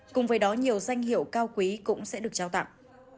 cùng với đó nhiều danh hiệu cao quý cũng sẽ được trao tặng